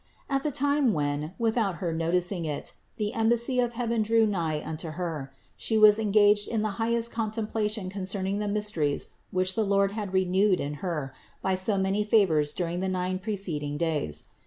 At the time when, without her noticing it, the embassy of heaven drew nigh unto Her, She was engaged in the highest contemplation concerning the mysteries which the Lord had renewed in Her by so many favors during the nine preceding days.